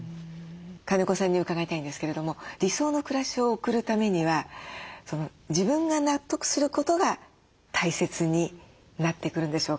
金子さんに伺いたいんですけれども理想の暮らしを送るためには自分が納得することが大切になってくるんでしょうか？